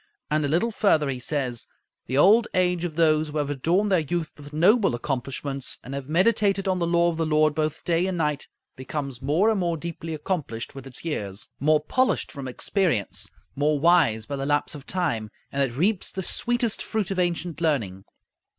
And a little further he says, "The old age of those who have adorned their youth with noble accomplishments and have meditated on the law of the Lord both day and night becomes more and more deeply accomplished with its years, more polished from experience, more wise by the lapse of time; and it reaps the sweetest fruit of ancient learning."